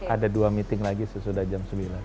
ada dua meeting lagi sesudah jam sembilan